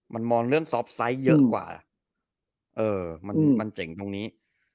มันมองเรื่องซอฟต์ไซต์เยอะกว่าเออมันมันเจ๋งตรงนี้